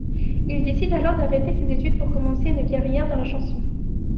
Il décide alors d'arrêter ses études pour commencer une carrière dans la chanson.